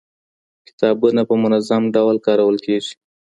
کتابونه په منظم ډول کارول کېږي.